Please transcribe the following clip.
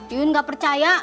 yuyun tidak percaya